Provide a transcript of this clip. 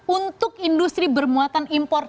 untuk industri bermuatan impor